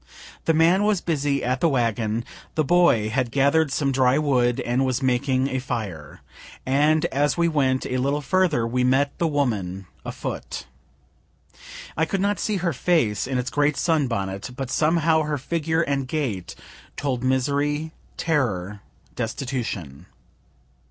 The man was busy at the wagon, the boy had gather'd some dry wood, and was making a fire and as we went a little further we met the woman afoot. I could not see her face, in its great sun bonnet, but somehow her figure and gait told misery, terror, destitution.